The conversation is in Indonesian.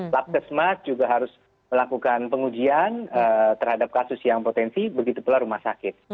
lapkesmas juga harus melakukan pengujian terhadap kasus yang potensi begitu pula rumah sakit